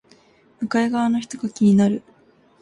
向かい側の人が気になる